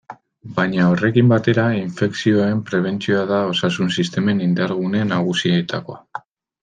Baina horrekin batera, infekzioen prebentzioa da osasun-sistemen indar-gune nagusietakoa.